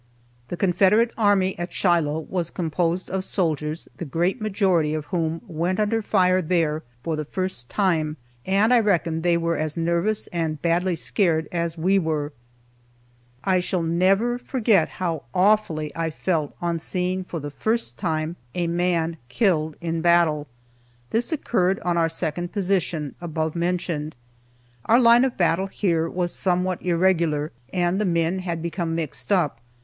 The Confederate army at Shiloh was composed of soldiers the great majority of whom went under fire there for the first time, and I reckon they were as nervous and badly scared as we were. I never shall forget how awfully I felt on seeing for the first time a man killed in battle. This occurred on our second position, above mentioned. Our line of battle here was somewhat irregular, and the men had become mixed up.